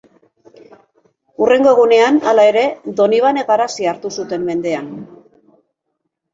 Hurrengo egunean, hala ere, Donibane Garazi hartu zuten mendean.